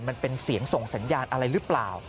มันเป็นเสียงส่งสัญญาณอะไรหรือเปล่า